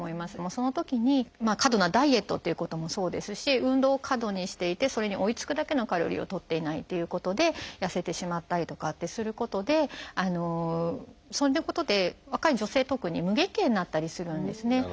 そのときに過度なダイエットっていうこともそうですし運動を過度にしていてそれに追いつくだけのカロリーをとっていないということで痩せてしまったりとかってすることでそういうことで若い女性特に無月経になったりするんですね。